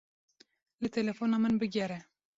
Li telefona min bigere.